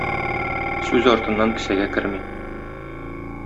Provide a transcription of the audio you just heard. Сүз артыннан кесәгә керми.